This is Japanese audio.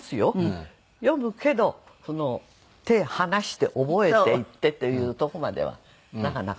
読むけど手を離して覚えていってというとこまではなかなか。